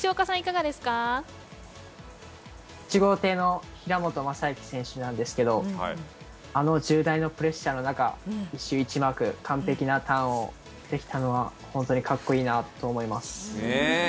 １号艇の平本真之選手なんですけど、あの重大なプレッシャーの中、周１マーク、完璧なターンができたのは本当にかっこいいなと思います。